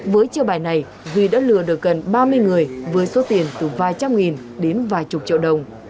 với chiêu bài này duy đã lừa được gần ba mươi người với số tiền từ vài trăm nghìn đến vài chục triệu đồng